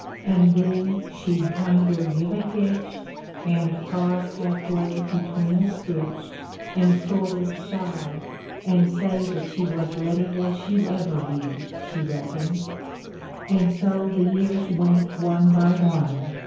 And then she'd kinder give a hitch, And pause half way between a stitch. And sorter sigh, and say that she Was ready as she'd ever be. She reckoned. And so the years went one by one.